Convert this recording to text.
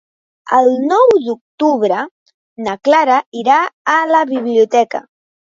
El nou d'octubre na Clara irà a la biblioteca.